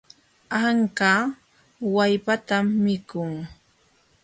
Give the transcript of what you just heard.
Anka wallpatan mikun.